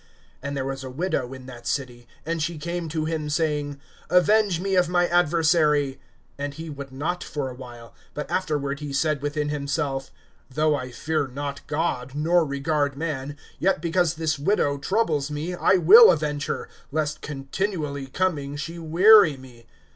(3)And there was a widow in that city; and she came to him, saying: Avenge me of my adversary. (4)And he would not for a while; but afterward he said within himself: Though I fear not God, nor regard man, (5)yet because this widow troubles me, I will avenge her, lest continually coming she weary me.